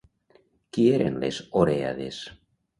Qui eren les orèades?